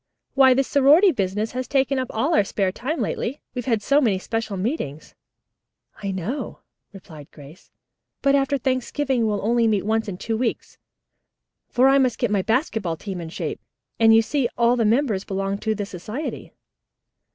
"Why, this sorority business has taken up all our spare time lately. We've had so many special meetings." "I know it," replied Grace, "but after Thanksgiving we'll only meet once in two weeks, for I must get my basketball team in shape, and you see all the members belong to the society."